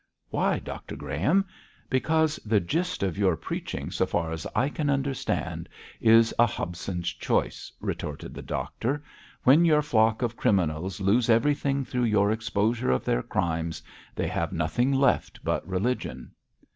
'Why, Dr Graham?' 'Because the gist of your preaching, so far as I can understand, is a Hobson's choice,' retorted the doctor. 'When your flock of criminals lose everything through your exposure of their crimes, they have nothing left but religion.'